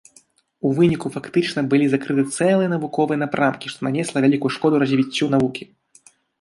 У выніку фактычна былі закрыты цэлыя навуковыя напрамкі, што нанесла вялікую шкоду развіццю навукі.